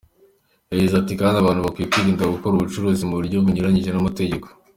Yagize kandi ati:"Abantu bakwiye kwirinda gukora ubucuruzi mu buryo bunyuranyije n’amategeko.